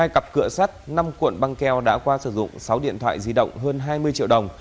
hai cặp cửa sắt năm cuộn băng keo đã qua sử dụng sáu điện thoại di động hơn hai mươi triệu đồng